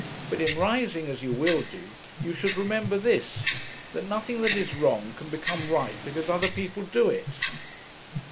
But in rising, as you will do, you should remember this that nothing that is wrong can become right because other people do it.'